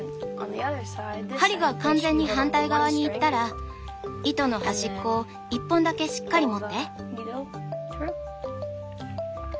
針が完全に反対側にいったら糸の端っこを一本だけしっかり持って。